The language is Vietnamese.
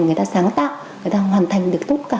người ta sáng tạo người ta hoàn thành được tốt cả